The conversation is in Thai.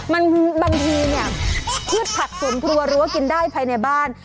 มันบางทีเนี่ยพืชผักสวนครัวรั้วกินได้ภายในบ้าน